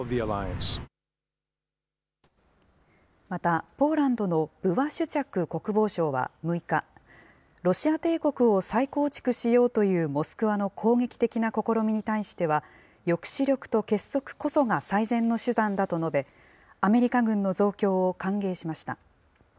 また、ポーランドのブワシュチャク国防相は６日、ロシア帝国を再構築しようというモスクワの攻撃的な試みに対しては、抑止力と結束こそが最善の手段だと述べ、アメリカ軍の増強を歓迎しました。